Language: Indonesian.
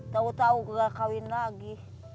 tahu tahu nggak kahwin lagi